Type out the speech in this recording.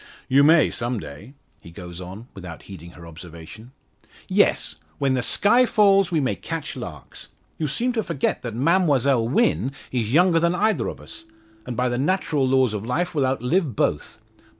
"You may some day," he goes on, without heeding her observation. "Yes; when the sky falls we may catch larks. You seem to forget that Mademoiselle Wynn is younger than either of us, and by the natural laws of life will outlive both.